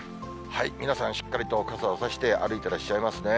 皆さん、しっかりと傘を差して歩いてらっしゃいますね。